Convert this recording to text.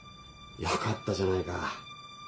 よかったじゃないか。